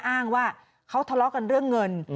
อ้างว่าเขาทะเลาะกันเรื่องเงิน